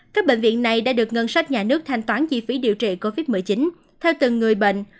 các bệnh viện này đã được ngân sách nhà nước thanh toán chi phí điều trị covid một mươi chín theo từng người bệnh